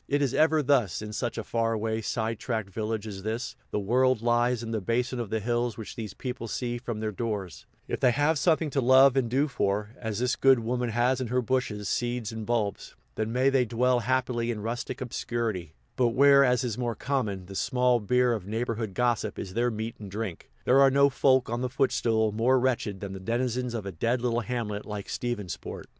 It is ever thus, in such far away, side tracked villages as this the world lies in the basin of the hills which these people see from their doors; if they have something to love and do for, as this good woman has in her bushes, seeds, and bulbs, then may they dwell happily in rustic obscurity; but where, as is more common, the small beer of neighborhood gossip is their meat and drink, there are no folk on the footstool more wretched than the denizens of a dead little hamlet like Stephensport.